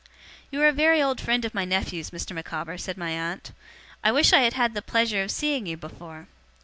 'You are a very old friend of my nephew's, Mr. Micawber,' said my aunt. 'I wish I had had the pleasure of seeing you before.